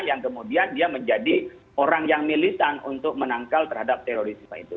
yang kemudian dia menjadi orang yang militan untuk menangkal terhadap terorisme itu